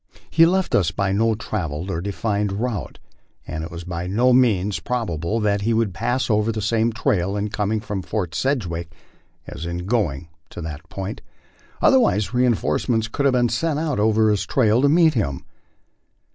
He left us by no travelled or defined route, and it was by no means probable that he would pass over the same trail in coming from Fort Sedgwick as in going to that point ; otherwise reinforcements could have been sent out over his trail to meet him.